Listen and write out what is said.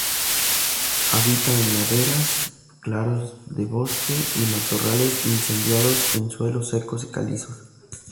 Habita en laderas, claros de bosque, y matorrales incendiados en suelos secos y calizos.